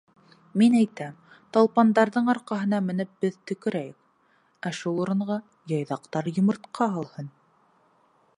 — Мин әйтәм, талпандарҙың арҡаһына менеп беҙ төкөрәйек, ә шул урынға Яйҙаҡтар йомортҡа һалһын.